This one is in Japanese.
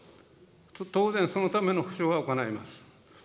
当然、そのための補償は行います。